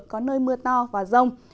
có nơi mưa to và rông